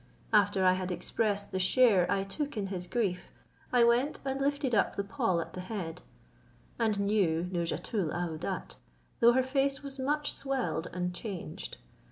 After I had expressed the share I took in his grief, I went and lifted up the pall at the head, and knew Nouzhatoul aouadat, though hr face was much swelled and changed.